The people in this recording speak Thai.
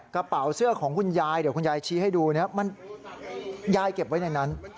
กระเป๋าเสื้อของคุณยายเดี๋ยวคุณยายชี้ให้ดูเนี่ยมันยายเก็บไว้ในนั้น